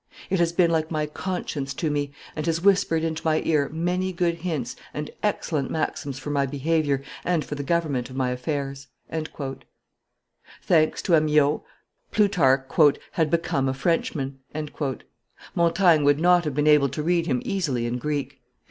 It has been like my conscience to me, and has whispered into my ear many good hints and excellent maxims for my behavior and for the government of my affairs." Thanks to Amyot, Plutarch "had become a Frenchman:" Montaigne would not have been able to read him easily in Greek.